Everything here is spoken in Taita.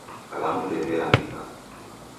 Kalamu ndeiweandika